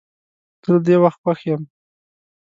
زه له دې وخت خوښ یم.